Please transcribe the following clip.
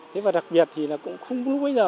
thế và đặc biệt thì là cũng không có bó hoa